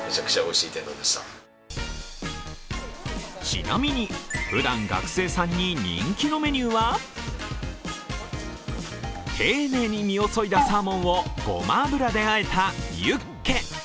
ちなみに、ふだん学生さんに人気のメニューは丁寧に身をそいだサーモンをごま油であえたユッケ。